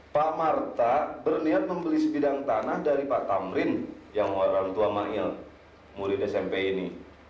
pak marta berniat membeli sebidang tanah dari pak tamrin yang orang tua mail murid smp ini